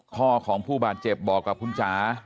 พ่อของผู้บาดเจ็บบอกกับคุณจ๋า